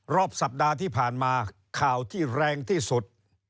รอบสัปดาห์ที่ผ่านมาข่าวที่แรงที่สุด